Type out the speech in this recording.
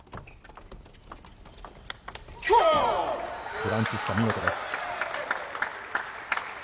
フランツィスカ、見事です。